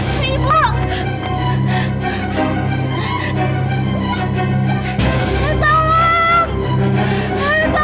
kamu kamu ke rumah sakit sekarang ya